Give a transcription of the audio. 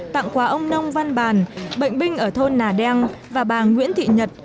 tặng quà ông nông văn bàn bệnh binh ở thôn nà đen và bà nguyễn thị nhật